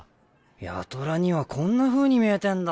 八虎にはこんなふうに見えてんだ。